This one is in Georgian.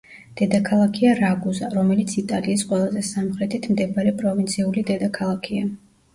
დედაქალაქია რაგუზა, რომელიც იტალიის ყველაზე სამხრეთით მდებარე პროვინციული დედაქალაქია.